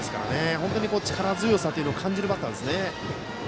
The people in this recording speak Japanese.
本当に力強さを感じるバッターです。